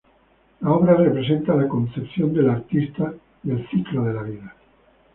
La obra representa la concepción del artista del "ciclo de la vida".